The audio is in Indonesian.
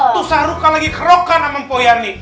tuh sahruka lagi kerokan sama empoyani